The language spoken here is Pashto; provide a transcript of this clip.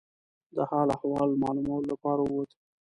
د حال احوال معلومولو لپاره ووت.